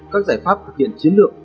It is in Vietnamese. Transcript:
các giải pháp thực hiện chiến lược